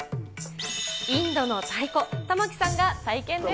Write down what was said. インドの太鼓、玉城さんが体験です。